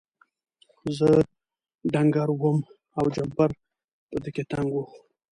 زه ډنګر وم او جمپر په ده کې تنګ و.